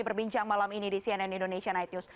berbincang malam ini di cnn indonesia night news